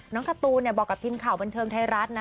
การ์ตูนบอกกับทีมข่าวบันเทิงไทยรัฐนะ